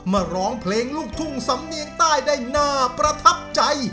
มาร้องเพลงลูกทุ่งสำเนียงใต้ได้น่าประทับใจ